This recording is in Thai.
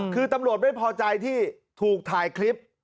คือตำรวจไม่พอใจที่ถูกถ่ายคลิป